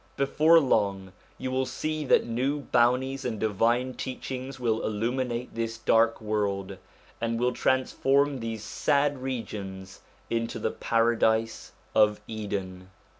Before long you will see that new bounties and divine teachings will illuminate this dark world, and will transform these sad regions into the paradise of Eden.